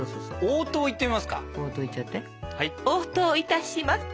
応答いたします。